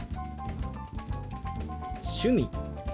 「趣味」。